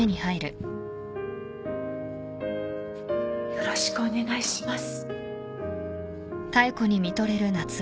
よろしくお願いします。